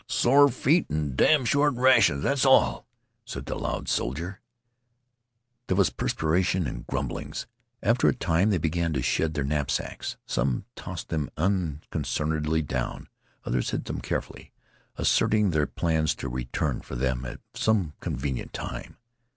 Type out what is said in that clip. "Sore feet an' damned short rations, that's all," said the loud soldier. There was perspiration and grumblings. After a time they began to shed their knapsacks. Some tossed them unconcernedly down; others hid them carefully, asserting their plans to return for them at some convenient time.